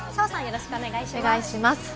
澤さん、よろしくお願いします。